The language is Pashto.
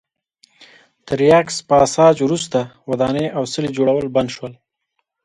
تر یاکس پاساج وروسته ودانۍ او څلي جوړول بند شول.